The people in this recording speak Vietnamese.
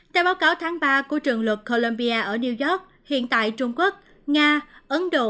theo báo cáo tháng ba của trường luật colombia ở new york hiện tại trung quốc nga ấn độ